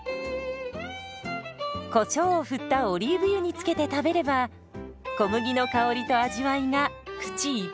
こしょうを振ったオリーブ油につけて食べれば小麦の香りと味わいが口いっぱい！